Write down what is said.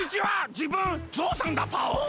じぶんゾウさんだパオン。